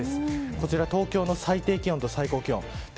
こちら、東京の最低気温と最高気温。